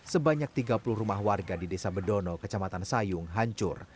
sebanyak tiga puluh rumah warga di desa bedono kecamatan sayung hancur